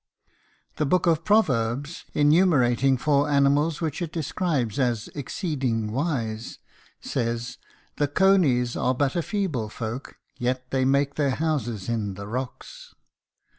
The Book of Proverbs, enumerating four animals which it describes as "exceeding wise," says: "The conies are but a feeble folk, yet they make their houses in the rocks."